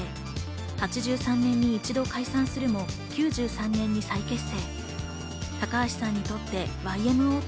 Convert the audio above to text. ８３年に一度解散するも、９３年に再結成。